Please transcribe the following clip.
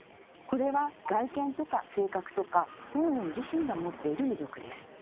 これは外見とか性格とか本人自身が持っている魅力です。